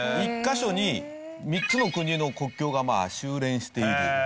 １カ所に３つの国の国境がまあ収斂している。